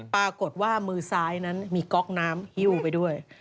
ปรากฏว่ามือซ้ายนั้นมีก๊อกน้ำหิ้วไปด้วย